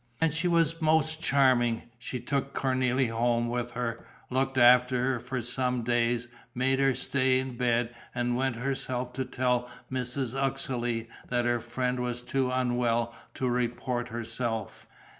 And she was most charming: she took Cornélie home with her, looked after her for some days, made her stay in bed and went herself to tell Mrs. Uxeley that her friend was too unwell to report herself.